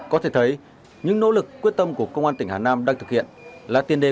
có thể thấy những nỗ lực quyết tâm của công an tỉnh hà nam đang thực hiện là tiền đề